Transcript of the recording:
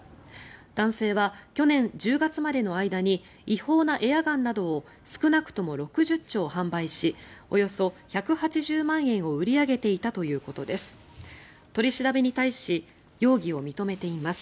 男性は去年１０月までの間に違法なエアガンなどを少なくとも６０丁販売しおよそ１８０万円を売り上げていたということです。